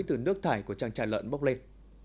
từ nước thải của trang trại lợn bốc lên